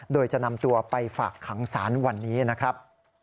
โดยจะนำตัวไปฝากขังศาลวันนี้นะครับ